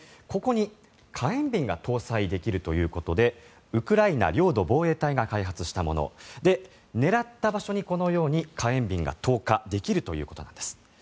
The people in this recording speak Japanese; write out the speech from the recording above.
ここに火炎瓶が搭載できるということでウクライナ領土防衛隊が開発したもので狙った場所にこのように火炎瓶が投下できるということなんです。